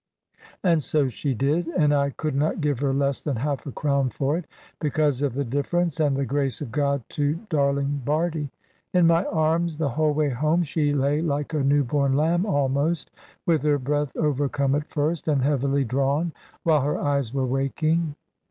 And so she did: and I could not give her less than half a crown for it; because of the difference and the grace of God to darling Bardie. In my arms the whole way home, she lay like a new born lamb almost, with her breath overcome at first, and heavily drawn, while her eyes were waking.